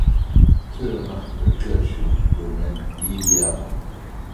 Cela marque la création du domaine d'Iiyama.